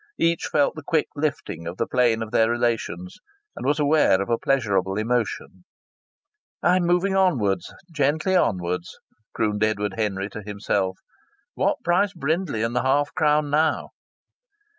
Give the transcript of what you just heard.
Each felt the quick lifting of the plane of their relations, and was aware of a pleasurable emotion. "I'm moving onwards gently onwards," crooned Edward Henry to himself. "What price Brindley and his half crown now?"